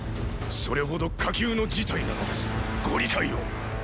それほど火急の事態なのですご理解を。